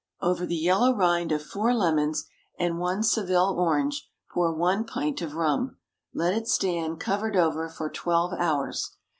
Over the yellow rind of four lemons and one Seville orange, pour one pint of rum. Let it stand, covered over, for twelve hours.